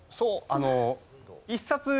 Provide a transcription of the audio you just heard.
あの。